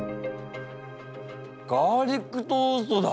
ガーリックトーストだ！